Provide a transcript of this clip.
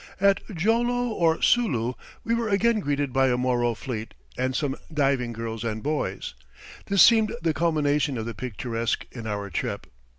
At Jolo, or Sulu, we were again greeted by a Moro fleet and some diving girls and boys. This seemed the culmination of the picturesque in our trip.